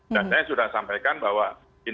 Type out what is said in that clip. dan saya sudah sampaikan bahwa ini semua akan jadi gawat